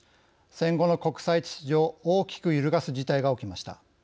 戦後の国際秩序を大きく揺るがす事態が起きました。